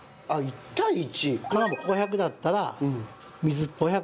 １対１。